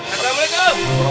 aduh bagaimana ini